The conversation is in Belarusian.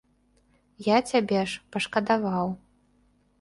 Я цябе ж пашкадаваў.